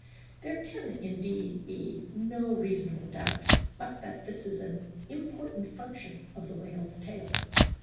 There can indeed be no reasonable doubt but that this is an important function of the whale's tail.